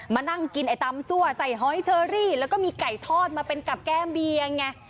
มานั่งกินไอ้ตำซั่วใส่หอยเชอรี่แล้วก็มีไก่ทอดมาเป็นกับแก้มเบียงไง